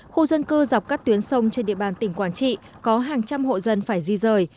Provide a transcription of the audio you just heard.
khu dân cư dọc các tuyến sông trên địa bàn tỉnh quảng trị có hàng trăm hộ dân phải di rời